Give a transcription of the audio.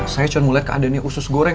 saya cuman mau liat keadaannya khusus goreng